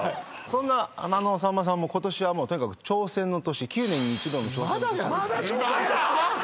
そんなさんまさんも今年はもうとにかく挑戦の年まだ挑戦？